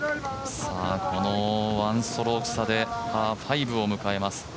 この１ストローク差でパー５を迎えます。